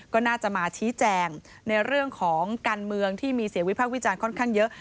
ก็น่าจะมาชี้แจงในเรื่องของการเมืองที่มีเสียงวิพากษ์วิจารณ์ค่อนข้างเยอะ